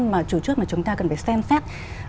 mà chủ chức mà chúng ta cần phải xem phép